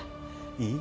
いい？